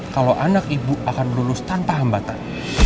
kalau anak ibu akan lulus tanpa hambatan